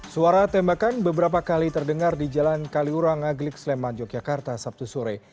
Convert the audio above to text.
suara tembakan beberapa kali terdengar di jalan kaliurang aglik sleman yogyakarta sabtu sore